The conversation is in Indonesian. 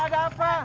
eh ada apa